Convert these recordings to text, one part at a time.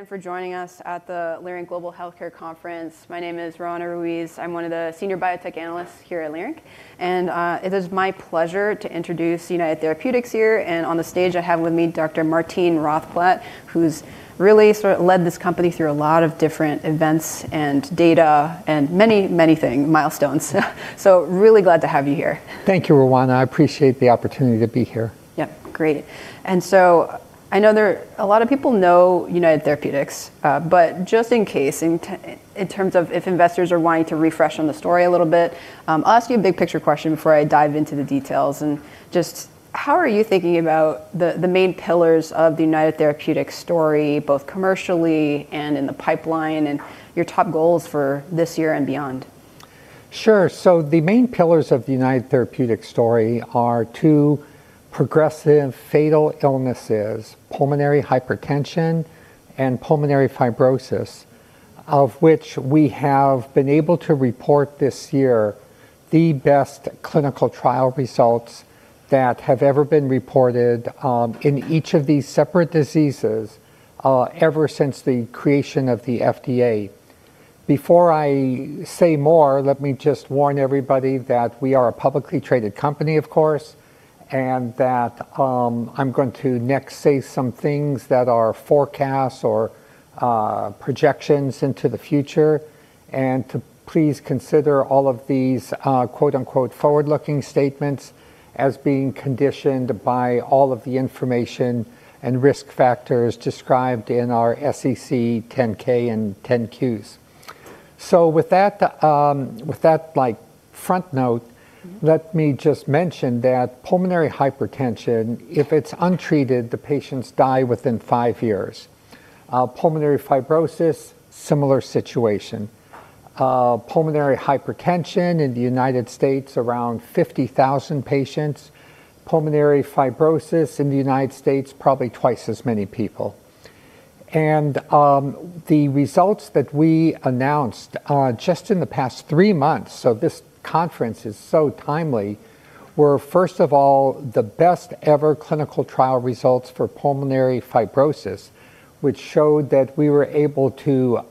Again for joining us at the Leerink Global Healthcare Conference. My name is Roanna Ruiz. I'm one of the Senior Biotech Analysts here at Leerink, and it is my pleasure to introduce United Therapeutics here. On the stage, I have with me Dr. Martine Rothblatt, who's really sort of led this company through a lot of different events and data and many, many milestones. Really glad to have you here. Thank you, Roanna. I appreciate the opportunity to be here. Yep, great. A lot of people know United Therapeutics, but just in case, in terms of if investors are wanting to refresh on the story a little bit, I'll ask you a big picture question before I dive into the details. Just how are you thinking about the main pillars of the United Therapeutics story, both commercially and in the pipeline, and your top goals for this year and beyond? Sure. The main pillars of the United Therapeutics story are two progressive fatal illnesses, pulmonary hypertension and pulmonary fibrosis, of which we have been able to report this year the best clinical trial results that have ever been reported in each of these separate diseases ever since the creation of the FDA. Before I say more, let me just warn everybody that we are a publicly traded company, of course, and that I'm going to next say some things that are forecasts or projections into the future, and to please consider all of these quote-unquote, forward-looking statements as being conditioned by all of the information and risk factors described in our SEC 10-K and 10-Qs. With that, like, front note. let me just mention that pulmonary hypertension, if it's untreated, the patients die within five years. Pulmonary fibrosis, similar situation. Pulmonary hypertension in the United States, around 50,000 patients. Pulmonary fibrosis in the United States, probably twice as many people. The results that we announced, just in the past three months, so this conference is so timely, were, first of all, the best ever clinical trial results for pulmonary fibrosis, which showed that we were able to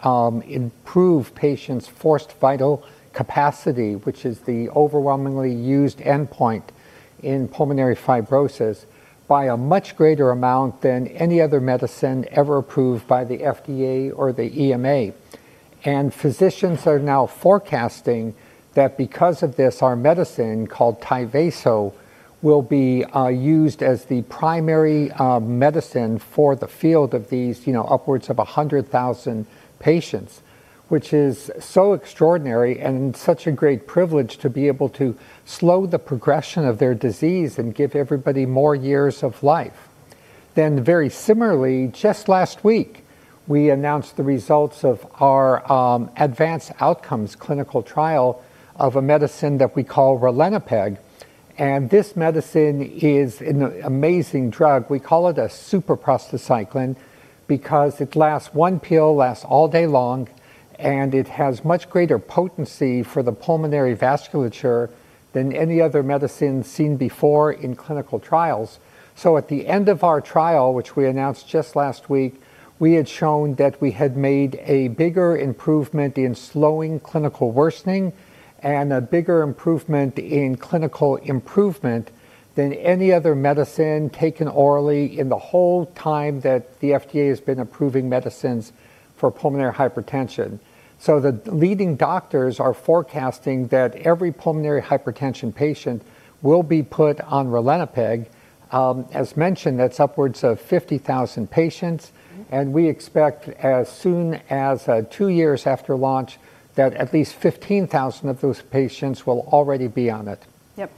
improve patients' Forced Vital Capacity, which is the overwhelmingly used endpoint in pulmonary fibrosis, by a much greater amount than any other medicine ever approved by the FDA or the EMA. Physicians are now forecasting that because of this, our medicine, called Tyvaso, will be used as the primary medicine for the field of these, you know, upwards of 100,000 patients, which is so extraordinary and such a great privilege to be able to slow the progression of their disease and give everybody more years of life. Very similarly, just last week, we announced the results of our ADVANCE OUTCOMES clinical trial of a medicine that we call ralinepag. This medicine is an amazing drug. We call it a super-prostacyclin because it lasts, one pill lasts all day long, and it has much greater potency for the pulmonary vasculature than any other medicine seen before in clinical trials. At the end of our trial, which we announced just last week, we had shown that we had made a bigger improvement in slowing clinical worsening and a bigger improvement in clinical improvement than any other medicine taken orally in the whole time that the FDA has been approving medicines for pulmonary hypertension. The leading doctors are forecasting that every pulmonary hypertension patient will be put on ralinepag. As mentioned, that's upwards of 50,000 patients. We expect as soon as two years after launch that at least 15,000 of those patients will already be on it. Yep.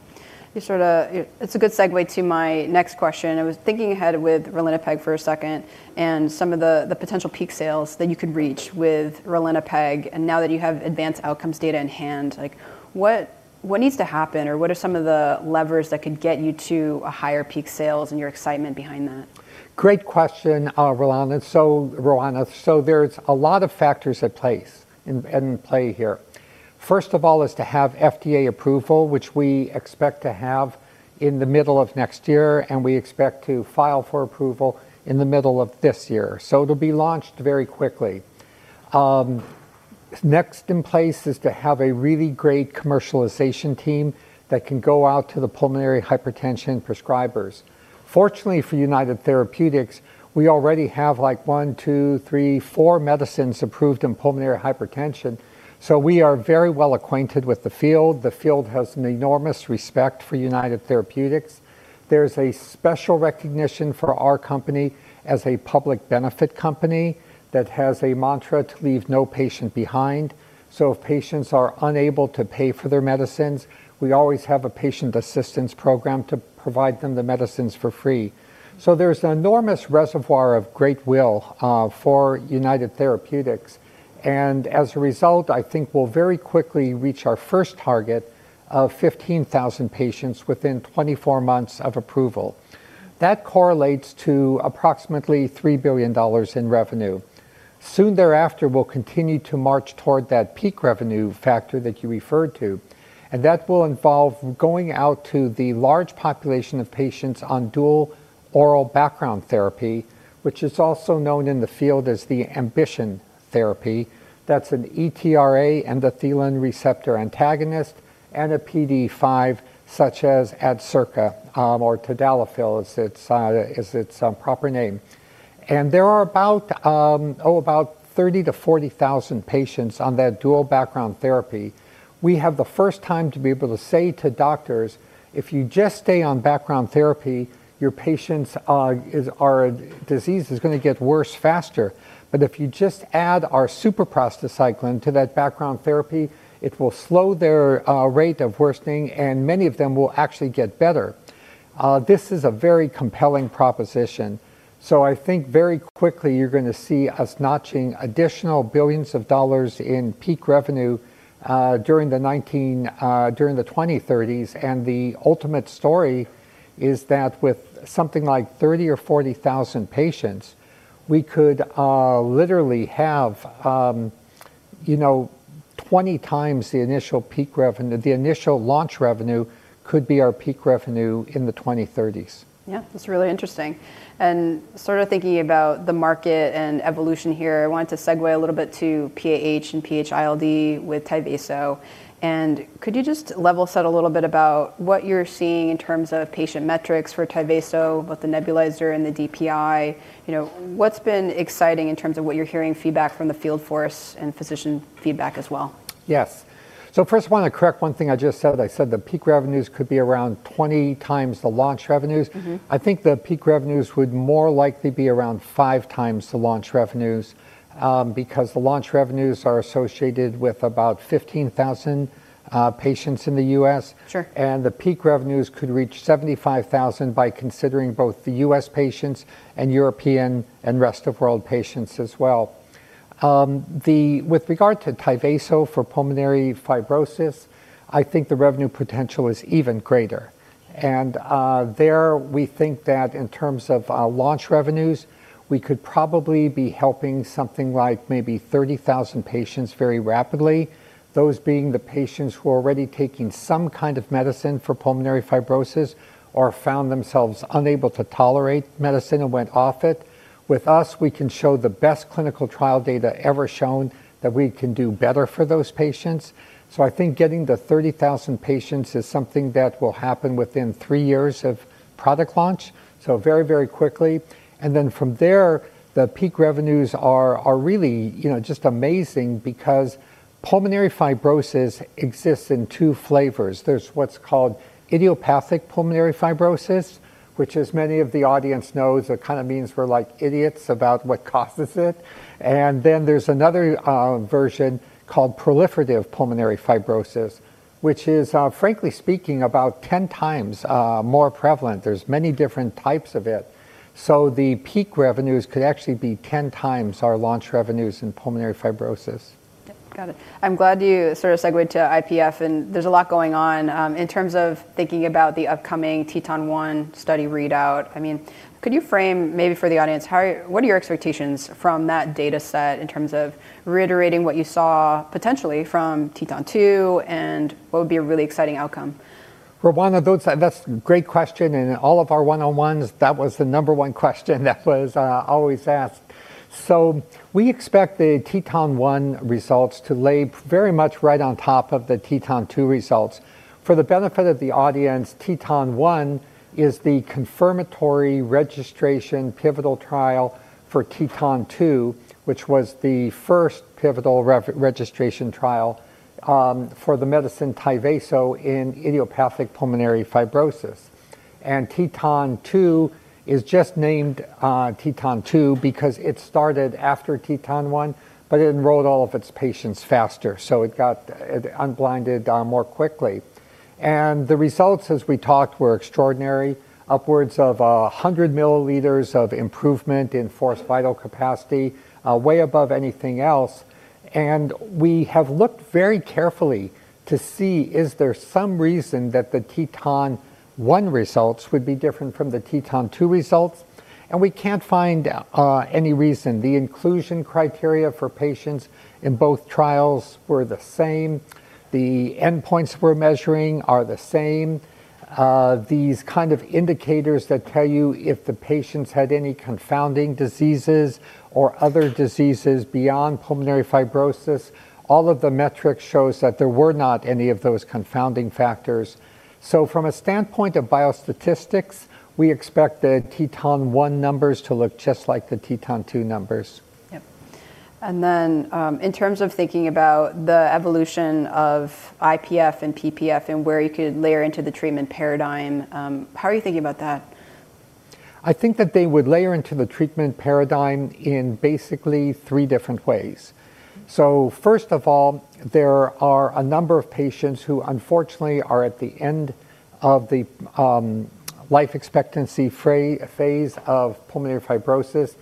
You sort of It's a good segue to my next question. I was thinking ahead with ralinepag for a second and some of the potential peak sales that you could reach with ralinepag. Now that you have ADVANCE OUTCOMES data in hand, like what needs to happen, or what are some of the levers that could get you to a higher peak sales and your excitement behind that? Great question, Roanna. There's a lot of factors at place, in play here. First of all is to have FDA approval, which we expect to have in the middle of next year, and we expect to file for approval in the middle of this year. It'll be launched very quickly. Next in place is to have a really great commercialization team that can go out to the pulmonary hypertension prescribers. Fortunately for United Therapeutics, we already have, like, one, two, three, four medicines approved in pulmonary hypertension, so we are very well acquainted with the field. The field has an enormous respect for United Therapeutics. There's a special recognition for our company as a public benefit company that has a mantra to leave no patient behind. If patients are unable to pay for their medicines, we always have a patient assistance program to provide them the medicines for free. There's an enormous reservoir of great will for United Therapeutics. As a result, I think we'll very quickly reach our first target of 15,000 patients within 24 months of approval. That correlates to approximately $3 billion in revenue. Soon thereafter, we'll continue to march toward that peak revenue factor that you referred to, and that will involve going out to the large population of patients on dual oral background therapy, which is also known in the field as the AMBITION therapy. That's an ETRA, endothelin receptor antagonist, and a PDE5, such as Adcirca, or tadalafil is its proper name. There are about 30,000-40,000 patients on that dual background therapy. We have the first time to be able to say to doctors, "If you just stay on background therapy, your patient's disease is gonna get worse faster. If you just add our super-prostacyclin to that background therapy, it will slow their rate of worsening, and many of them will actually get better." This is a very compelling proposition. I think very quickly you're gonna see us notching additional $billions in peak revenue during the 2030s. The ultimate story is that with something like 30,000 or 40,000 patients, we could literally have, you know, 20 times the initial peak revenue. The initial launch revenue could be our peak revenue in the 2030s. Yeah. That's really interesting. Sort of thinking about the market and evolution here, I wanted to segue a little bit to PAH and PH-ILD with Tyvaso. Could you just level set a little bit about what you're seeing in terms of patient metrics for Tyvaso with the nebulizer and the DPI? You know, what's been exciting in terms of what you're hearing feedback from the field force and physician feedback as well? Yes. First I want to correct one thing I just said. I said the peak revenues could be around 20 times the launch revenues. I think the peak revenues would more likely be around five times the launch revenues, because the launch revenues are associated with about 15,000 patients in the US. Sure. The peak revenues could reach $75,000 by considering both the U.S. patients and European and rest of world patients as well. With regard to Tyvaso for pulmonary fibrosis, I think the revenue potential is even greater. There we think that in terms of launch revenues, we could probably be helping something like maybe 30,000 patients very rapidly, those being the patients who are already taking some kind of medicine for pulmonary fibrosis or found themselves unable to tolerate medicine and went off it. With us, we can show the best clinical trial data ever shown that we can do better for those patients. I think getting to 30,000 patients is something that will happen within three years of product launch, so very, very quickly. From there, the peak revenues are really, you know, just amazing because pulmonary fibrosis exists in two flavors. There's what's called idiopathic pulmonary fibrosis, which as many of the audience knows, it kind of means we're like idiots about what causes it. There's another version called proliferative pulmonary fibrosis, which is, frankly speaking, about 10x more prevalent. There's many different types of it. The peak revenues could actually be 10x our launch revenues in pulmonary fibrosis. Yep. Got it. I'm glad you sort of segued to IPF, and there's a lot going on. In terms of thinking about the upcoming TETON-1 study readout, I mean, could you frame maybe for the audience what are your expectations from that data set in terms of reiterating what you saw potentially from TETON-2, and what would be a really exciting outcome? Roanna, that's a great question, and in all of our one-on-ones that was the number one question that was always asked. We expect the TETON-1 results to lay very much right on top of the TETON-2 results. For the benefit of the audience, TETON-1 is the confirmatory registration pivotal trial for TETON-2, which was the first pivotal registration trial for the medicine Tyvaso in idiopathic pulmonary fibrosis. TETON-2 is just named TETON-2 because it started after TETON-1, but it enrolled all of its patients faster, so it got unblinded more quickly. The results as we talked were extraordinary, upwards of 100 mL of improvement in forced vital capacity, way above anything else. We have looked very carefully to see is there some reason that the TETON-1 results would be different from the TETON-2 results, and we can't find any reason. The inclusion criteria for patients in both trials were the same. The endpoints we're measuring are the same. These kind of indicators that tell you if the patients had any confounding diseases or other diseases beyond pulmonary fibrosis, all of the metrics shows that there were not any of those confounding factors. From a standpoint of biostatistics, we expect the TETON-1 numbers to look just like the TETON-2 numbers. Yep. In terms of thinking about the evolution of IPF and PPF and where you could layer into the treatment paradigm, how are you thinking about that? I think that they would layer into the treatment paradigm in basically three different ways. First of all, there are a number of patients who unfortunately are at the end of the life expectancy phase of pulmonary fibrosis.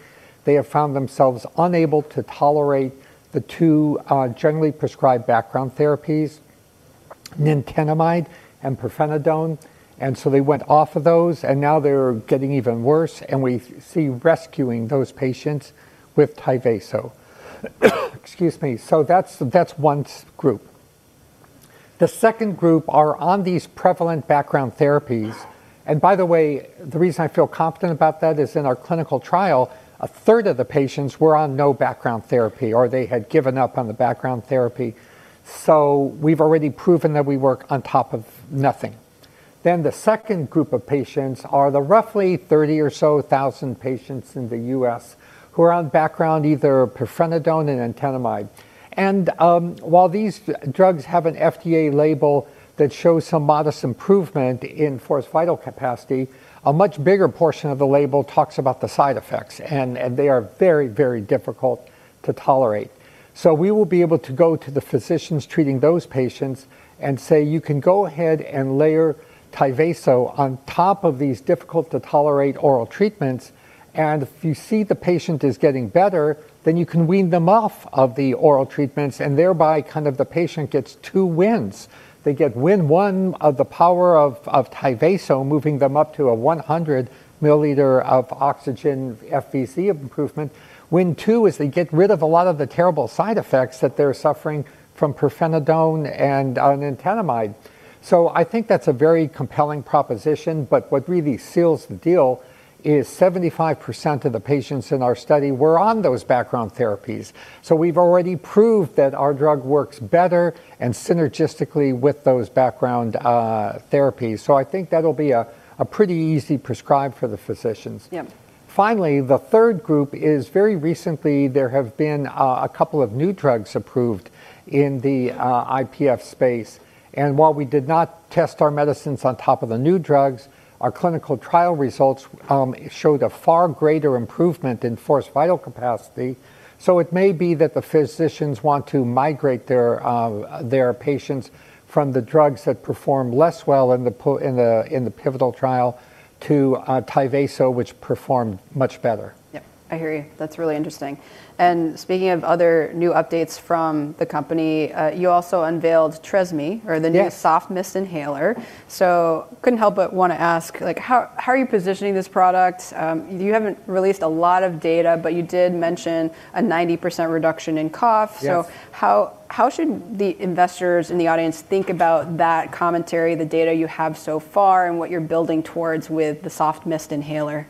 They have found themselves unable to tolerate the two generally prescribed background therapies, nintedanib and pirfenidone, they went off of those, now they're getting even worse, we see rescuing those patients with Tyvaso. Excuse me. That's one group. The second group are on these prevalent background therapies. By the way, the reason I feel confident about that is in our clinical trial, a third of the patients were on no background therapy, or they had given up on the background therapy. We've already proven that we work on top of nothing. The second group of patients are the roughly 30,000 patients in the U.S. who are on background, either pirfenidone and nintedanib. While these drugs have an FDA label that shows some modest improvement in Forced Vital Capacity, a much bigger portion of the label talks about the side effects, and they are very, very difficult to tolerate. We will be able to go to the physicians treating those patients and say, "You can go ahead and layer Tyvaso on top of these difficult to tolerate oral treatments, and if you see the patient is getting better, then you can wean them off of the oral treatments," and thereby kind of the patient gets two wins. They get win one of the power of Tyvaso, moving them up to a 100 mL of oxygen FVC improvement. Win two is they get rid of a lot of the terrible side effects that they're suffering from pirfenidone and nintedanib. I think that's a very compelling proposition. What really seals the deal is 75% of the patients in our study were on those background therapies. We've already proved that our drug works better and synergistically with those background therapies. I think that'll be a pretty easy prescribe for the physicians. Yeah. The third group is very recently there have been a couple of new drugs approved in the IPF space. While we did not test our medicines on top of the new drugs, our clinical trial results showed a far greater improvement in Forced Vital Capacity. It may be that the physicians want to migrate their patients from the drugs that perform less well in the pivotal trial to Tyvaso, which performed much better. Yep. I hear you. That's really interesting. Speaking of other new updates from the company, you also unveiled Tresmi or the new soft mist inhaler. Couldn't help but wanna ask, like, how are you positioning this product? You haven't released a lot of data, you did mention a 90% reduction in cough. Yes. How should the investors in the audience think about that commentary, the data you have so far, and what you're building towards with the soft mist inhaler?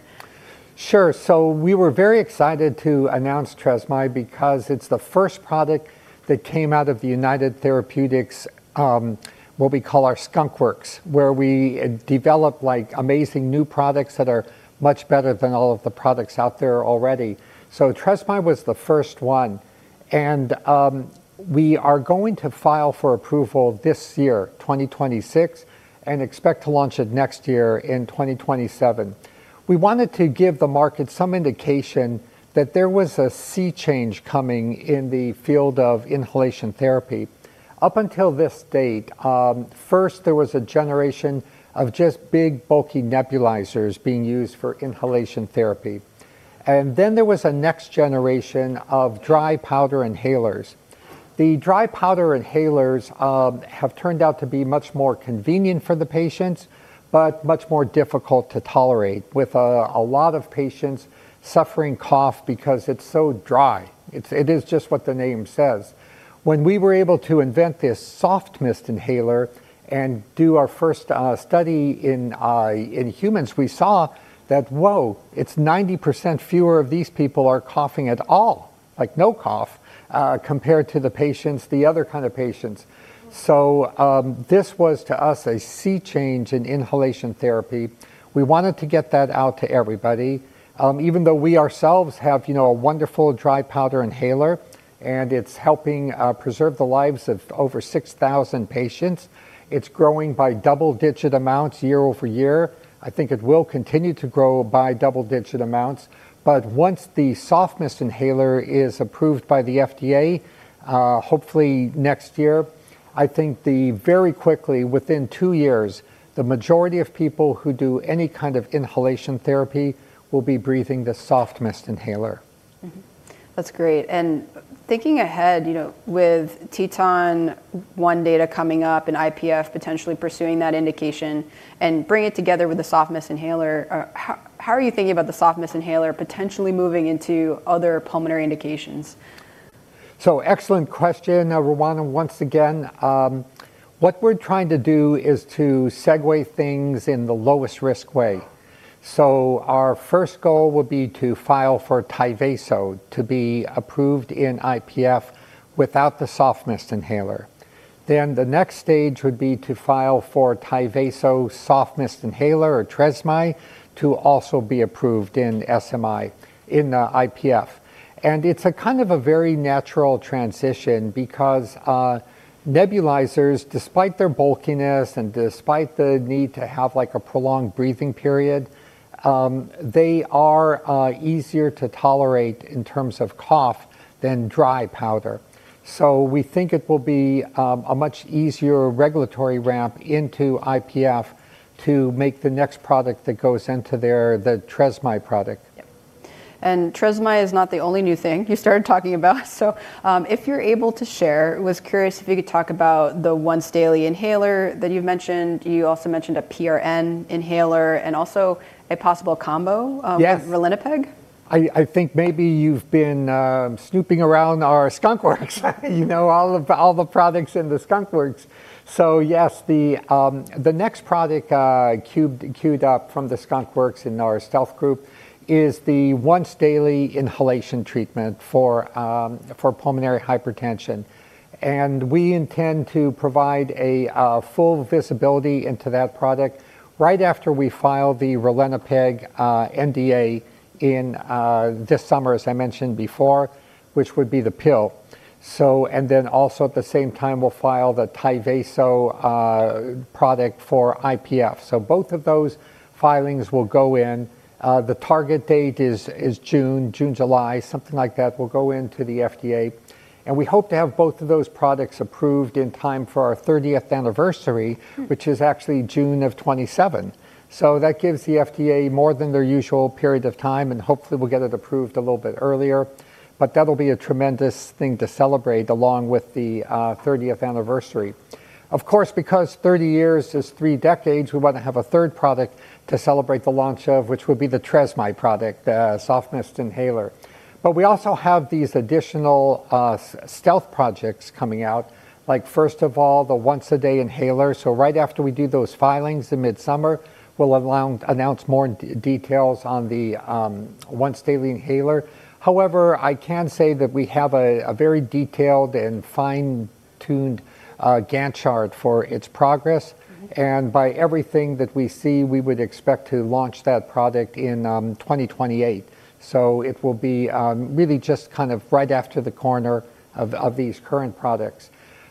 Sure. We were very excited to announce Trezist because it's the first product that came out of United Therapeutics', what we call our skunkworks, where we develop, like, amazing new products that are much better than all of the products out there already. Trezist was the first one, and we are going to file for approval this year, 2026, and expect to launch it next year in 2027. We wanted to give the market some indication that there was a sea change coming in the field of inhalation therapy. Up until this date, first there was a generation of just big, bulky nebulizers being used for inhalation therapy, and then there was a next generation of dry powder inhalers. The dry powder inhalers have turned out to be much more convenient for the patients, but much more difficult to tolerate, with a lot of patients suffering cough because it's so dry. It is just what the name says. When we were able to invent this soft mist inhaler and do our first study in humans, we saw that, whoa, it's 90% fewer of these people are coughing at all, like no cough, compared to the patients, the other kind of patients. This was, to us, a sea change in inhalation therapy. We wanted to get that out to everybody, even though we ourselves have, you know, a wonderful dry powder inhaler, and it's helping preserve the lives of over 6,000 patients. It's growing by double-digit amounts year-over-year. I think it will continue to grow by double-digit amounts. Once the soft mist inhaler is approved by the FDA, hopefully next year, very quickly, within two years, the majority of people who do any kind of inhalation therapy will be breathing the soft mist inhaler. That's great. Thinking ahead, you know, with TETON-1 data coming up and IPF potentially pursuing that indication and bringing it together with the soft mist inhaler, how are you thinking about the soft mist inhaler potentially moving into other pulmonary indications? Excellent question, Roanna, once again. What we're trying to do is to segue things in the lowest risk way. Our first goal will be to file for Tyvaso to be approved in IPF without the soft mist inhaler. The next stage would be to file for Tyvaso soft mist inhaler or Trezist to also be approved in SMI in IPF. It's a kind of a very natural transition because nebulizers, despite their bulkiness and despite the need to have, like, a prolonged breathing period, they are easier to tolerate in terms of cough than dry powder. We think it will be a much easier regulatory ramp into IPF to make the next product that goes into their, the Trezist product. Trezist is not the only new thing you started talking about. If you're able to share, was curious if you could talk about the once daily inhaler that you've mentioned. You also mentioned a PRN inhaler and also a possible. Yes Of Ralinepag? I think maybe you've been snooping around our skunkworks. You know, all the products in the skunkworks. Yes, the next product cued up from the skunkworks in our stealth group is the once daily inhalation treatment for pulmonary hypertension. We intend to provide a full visibility into that product right after we file the ralinepag NDA in this summer, as I mentioned before, which would be the pill. Also at the same time, we'll file the Tyvaso product for IPF. Both of those filings will go in. The target date is June, July, something like that. We'll go into the FDA, and we hope to have both of those products approved in time for our 30th anniversary which is actually June of 2027. That gives the FDA more than their usual period of time, and hopefully we'll get it approved a little bit earlier. That'll be a tremendous thing to celebrate along with the thirtieth anniversary. Of course, because 30 years is three decades, we want to have a third product to celebrate the launch of, which would be the Trezist product, soft mist inhaler. We also have these additional stealth projects coming out, like first of all, the once a day inhaler. Right after we do those filings in midsummer, we'll announce more details on the once daily inhaler. However, I can say that we have a very detailed and fine-tuned Gantt chart for its progress. By everything that we see, we would expect to launch that product in 2028. It will be really just kind of right after the corner of these current products.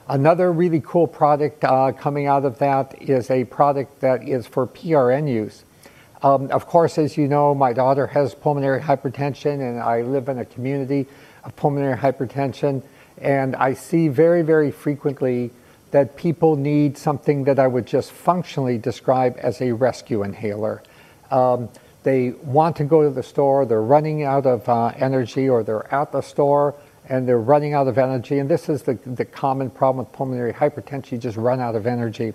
Another really cool product coming out of that is a product that is for PRN use. Of course, as you know, my daughter has pulmonary hypertension, and I live in a community of pulmonary hypertension, and I see very, very frequently that people need something that I would just functionally describe as a rescue inhaler. They want to go to the store, they're running out of energy, or they're at the store and they're running out of energy, and this is the common problem with pulmonary hypertension. You just run out of energy.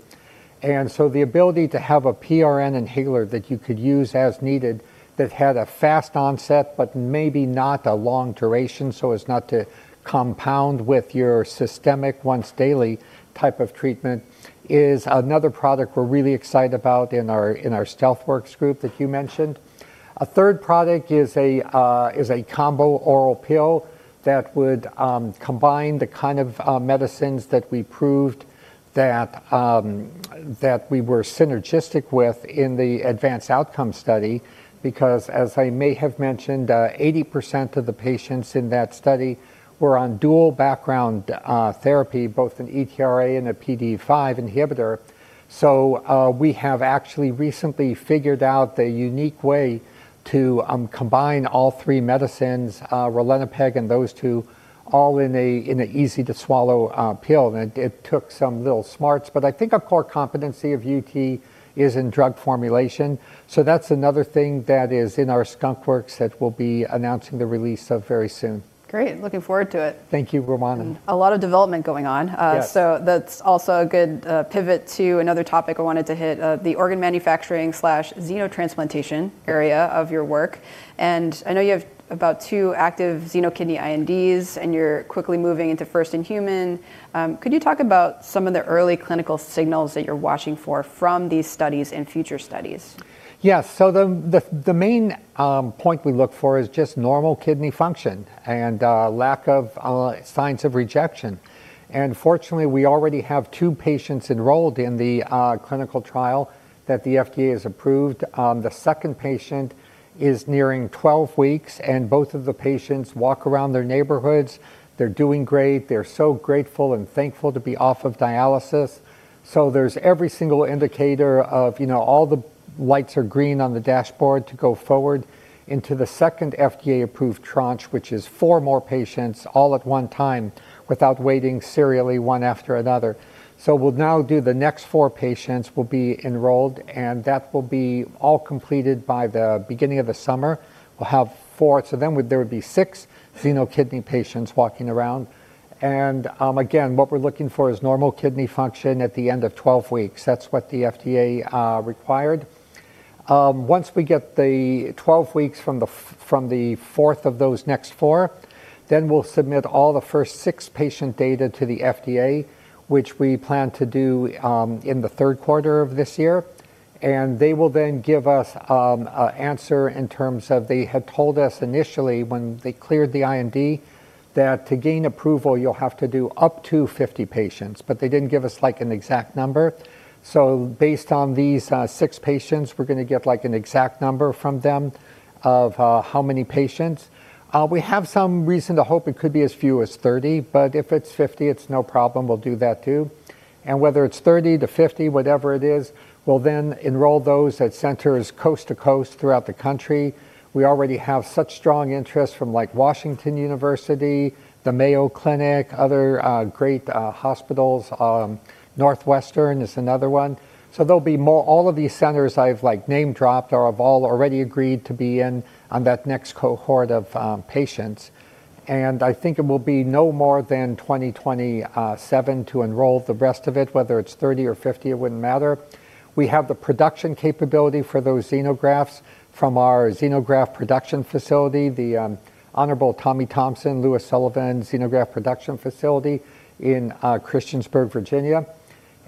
The ability to have a PRN inhaler that you could use as needed that had a fast onset but maybe not a long duration, so as not to compound with your systemic once daily type of treatment, is another product we're really excited about in our stealth works group that you mentioned. A third product is a combo oral pill that would combine the kind of medicines that we proved that we were synergistic with in the ADVANCE OUTCOMES study because, as I may have mentioned, 80% of the patients in that study were on dual background therapy, both an ERA and a PDE5 inhibitor. We have actually recently figured out the unique way to combine all three medicines, ralinepag and those two, all in an easy-to-swallow pill. It took some little smarts, but I think a core competency of UT is in drug formulation. That's another thing that is in our skunkworks that we'll be announcing the release of very soon. Great. Looking forward to it. Thank you, Roanna. A lot of development going on. Yes. That's also a good pivot to another topic I wanted to hit, the organ manufacturing/xenotransplantation area of your work. I know you have about two active xenokidney INDs, and you're quickly moving into first in human. Could you talk about some of the early clinical signals that you're watching for from these studies and future studies? Yes. The main point we look for is just normal kidney function and lack of signs of rejection. Fortunately, we already have two patients enrolled in the clinical trial that the FDA has approved. The second patient is nearing 12 weeks, and both of the patients walk around their neighborhoods. They're doing great. They're so grateful and thankful to be off of dialysis. There's every single indicator of, you know, all the lights are green on the dashboard to go forward into the second FDA-approved tranche, which is four more patients all at one time without waiting serially one after another. We'll now do the next four patients will be enrolled, and that will be all completed by the beginning of the summer. We'll have four, there would be six xenokidney patients walking around. Again, what we're looking for is normal kidney function at the end of 12 weeks. That's what the FDA required. Once we get the 12 weeks from the 4th of those next four, we'll submit all the first six patient data to the FDA, which we plan to do in the third quarter of this year. They will then give us a answer in terms of they had told us initially when they cleared the IND that to gain approval, you'll have to do up to 50 patients, but they didn't give us, like, an exact number. Based on these six patients, we're gonna get, like, an exact number from them of how many patients. We have some reason to hope it could be as few as 30, but if it's 50, it's no problem. We'll do that too. Whether it's 30 to 50, whatever it is, we'll then enroll those at centers coast to coast throughout the country. We already have such strong interest from, like, Washington University, the Mayo Clinic, other great hospitals, Northwestern is another one. There'll be all of these centers I've, like, name-dropped are already agreed to be in on that next cohort of patients. I think it will be no more than 2027 to enroll the rest of it, whether it's 30 or 50, it wouldn't matter. We have the production capability for those xenografts from our xenograft production facility, the honorable Tommy Thompson, Louis Sullivan Xenograft Production Facility in Christiansburg, Virginia.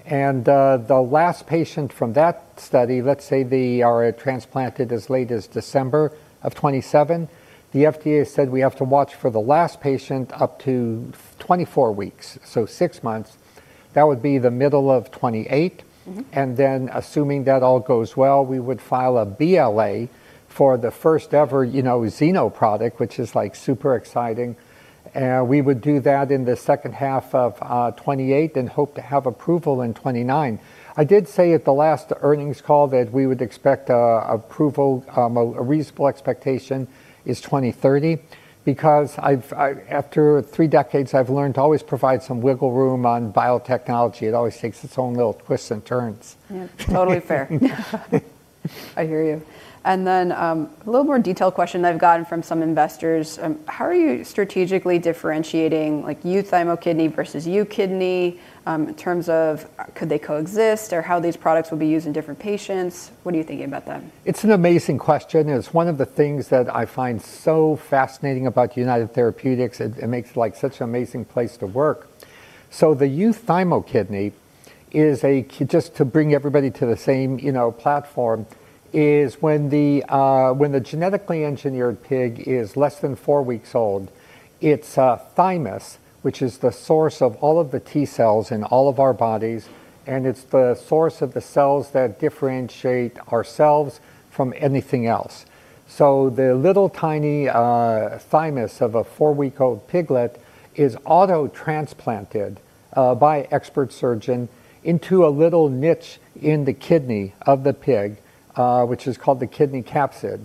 The last patient from that study, let's say they are transplanted as late as December of 2027, the FDA said we have to watch for the last patient up to 24 weeks, so six months. That would be the middle of 2028. Assuming that all goes well, we would file a BLA for the first ever, you know, xeno product, which is, like, super exciting. We would do that in the second half of 2028 and hope to have approval in 2029. I did say at the last earnings call that we would expect approval, a reasonable expectation is 2030 because after three decades, I've learned to always provide some wiggle room on biotechnology. It always takes its own little twists and turns. Yep. Totally fair. I hear you. A little more detailed question I've gotten from some investors, how are you strategically differentiating, like, UThymoKidney versus UKidney, in terms of could they coexist or how these products will be used in different patients? What are you thinking about them? It's an amazing question, and it's one of the things that I find so fascinating about United Therapeutics. It makes, like, such an amazing place to work. The UThymoKidney is just to bring everybody to the same, you know, platform, is when the genetically engineered pig is less than four weeks old, its thymus, which is the source of all of the T cells in all of our bodies, and it's the source of the cells that differentiate ourselves from anything else. The little tiny thymus of a four-week-old piglet is auto-transplanted by expert surgeon into a little niche in the kidney of the pig, which is called the kidney capsule.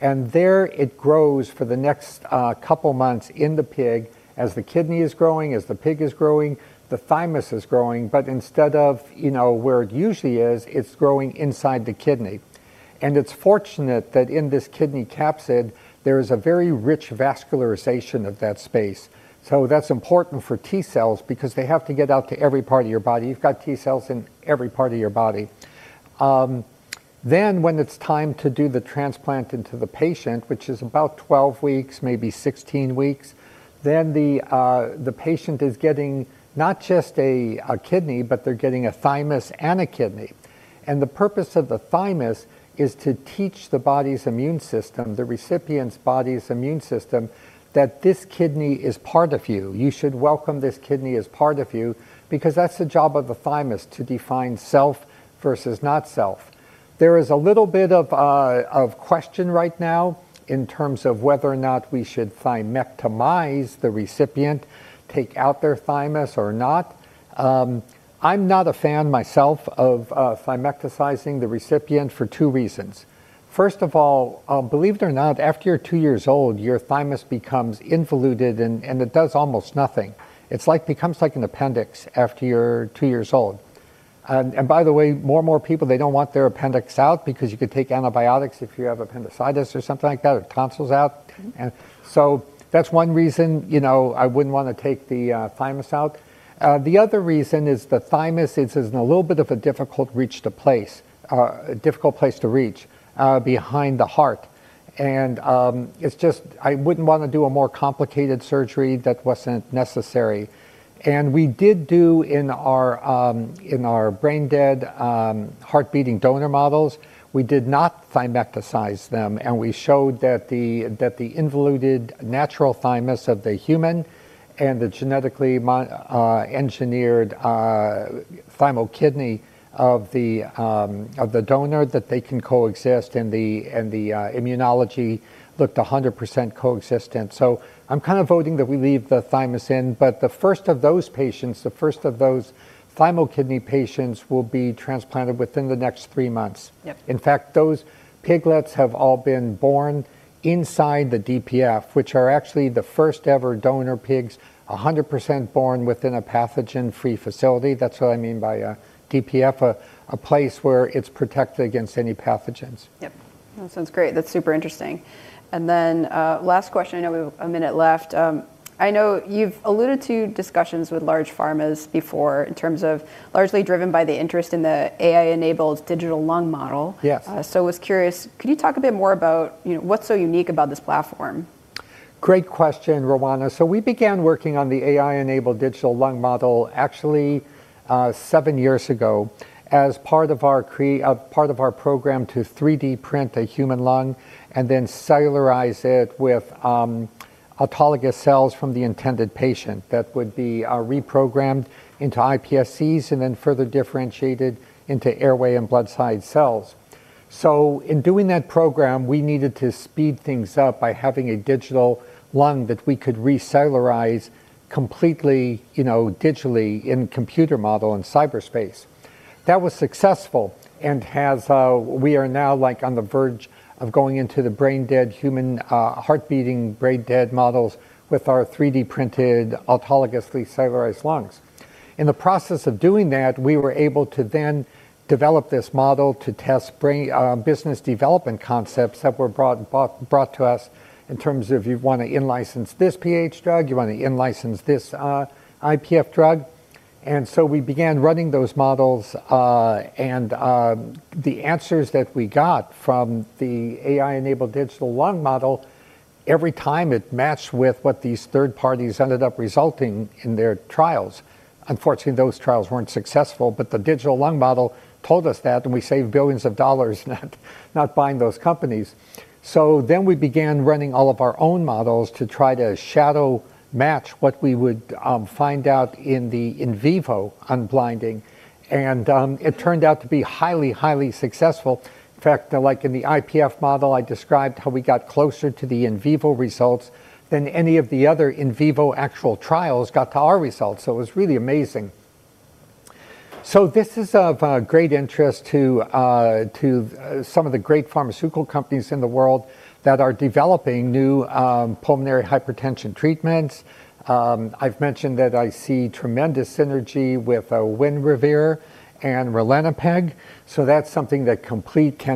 There it grows for the next couple months in the pig. As the kidney is growing, as the pig is growing, the thymus is growing. Instead of, you know, where it usually is, it's growing inside the kidney. It's fortunate that in this kidney capsule, there is a very rich vascularization of that space. That's important for T cells because they have to get out to every part of your body. You've got T cells in every part of your body. When it's time to do the transplant into the patient, which is about 12 weeks, maybe 16 weeks, the patient is getting not just a kidney, but they're getting a thymus and a kidney. The purpose of the thymus is to teach the body's immune system, the recipient's body's immune system, that this kidney is part of you. You should welcome this kidney as part of you because that's the job of the thymus, to define self versus not self. There is a little bit of question right now in terms of whether or not we should thymectomize the recipient, take out their thymus or not. I'm not a fan myself of thymectomizing the recipient for two reasons. First of all, believe it or not, after you're two years old, your thymus becomes involuted and it does almost nothing. It becomes like an appendix after you're two years old. By the way, more and more people, they don't want their appendix out because you could take antibiotics if you have appendicitis or something like that, or tonsils out. That's one reason, you know, I wouldn't wanna take the thymus out. The other reason is the thymus is in a little bit of a difficult place to reach behind the heart. It's just I wouldn't wanna do a more complicated surgery that wasn't necessary. We did do in our brain-dead, heart-beating donor models, we did not thymectomize them, and we showed that the involuted natural thymus of the human and the genetically engineered ThymoKidney of the donor, that they can coexist and the immunology looked 100% coexistent. I'm kind of voting that we leave the thymus in. The first of those patients, the first of those ThymoKidney patients will be transplanted within the next three months. Yep. In fact, those piglets have all been born inside the DPF, which are actually the first ever donor pigs 100% born within a pathogen-free facility. That's what I mean by a DPF, a place where it's protected against any pathogens. Yep. That sounds great. That's super interesting. Last question. I know we've a minute left. I know you've alluded to discussions with large pharmas before in terms of largely driven by the interest in the AI-enabled digital lung model. Yes. Was curious, could you talk a bit more about, you know, what's so unique about this platform? Great question, Roanna. We began working on the AI-enabled digital lung model actually, seven years ago as part of our program to 3D print a human lung and then cellularize it with autologous cells from the intended patient that would be reprogrammed into iPSCs and then further differentiated into airway and blood side cells. In doing that program, we needed to speed things up by having a digital lung that we could recellularize completely, you know, digitally in computer model in cyberspace. That was successful and has, we are now like on the verge of going into the brain-dead human, heart-beating, brain-dead models with our 3D printed autologously cellularized lungs. In the process of doing that, we were able to then develop this model to test business development concepts that were brought to us in terms of you wanna in license this PH drug, you wanna in license this IPF drug. We began running those models, and the answers that we got from the AI-enabled digital lung model, every time it matched with what these third parties ended up resulting in their trials. Unfortunately, those trials weren't successful, but the digital lung model told us that, and we saved billions of dollars not buying those companies. We began running all of our own models to try to shadow match what we would find out in the in vivo unblinding, and it turned out to be highly successful. In fact, like in the IPF model, I described how we got closer to the in vivo results than any of the other in vivo actual trials got to our results. It was really amazing. This is of great interest to some of the great pharmaceutical companies in the world that are developing new pulmonary hypertension treatments. I've mentioned that I see tremendous synergy with Winrevair and ralinepag, so that's something that can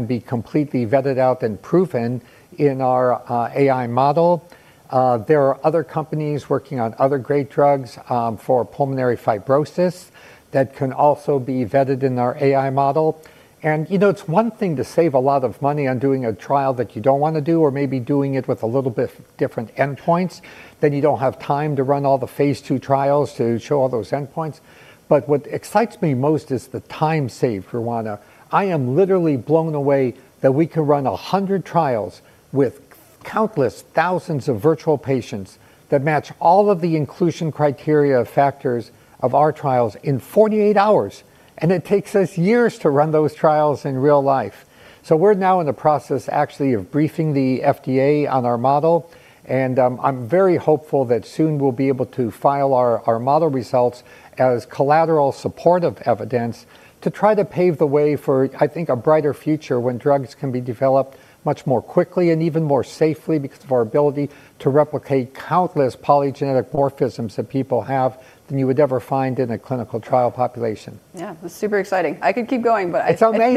be completely vetted out and proven in our AI model. There are other companies working on other great drugs for pulmonary fibrosis that can also be vetted in our AI model. You know, it's one thing to save a lot of money on doing a trial that you don't wanna do or maybe doing it with a little bit different endpoints. You don't have time to run all the phase II trials to show all those endpoints. What excites me most is the time saved, Roanna. I am literally blown away that we can run 100 trials with countless thousands of virtual patients that match all of the inclusion criteria factors of our trials in 48 hours, and it takes us years to run those trials in real life. We're now in the process actually of briefing the FDA on our model, and I'm very hopeful that soon we'll be able to file our model results as collateral supportive evidence to try to pave the way for, I think, a brighter future when drugs can be developed much more quickly and even more safely because of our ability to replicate countless polygenic polymorphisms that people have than you would ever find in a clinical trial population. Yeah. It's super exciting. I could keep going, but. It's amazing.